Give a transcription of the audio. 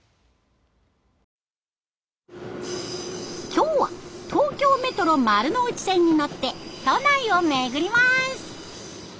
今日は東京メトロ丸ノ内線に乗って都内を巡ります。